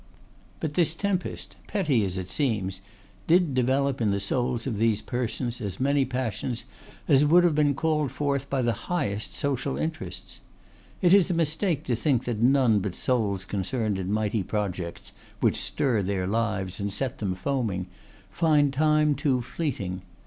But this tempest, petty as it seems, did develop in the souls of these persons as many passions as would have been called forth by the highest social interests. It is a mistake to think that none but souls concerned in mighty projects, which stir their lives and set them foaming, find time too fleeting.